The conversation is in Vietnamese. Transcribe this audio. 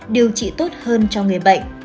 điều trị tốt hơn cho người bệnh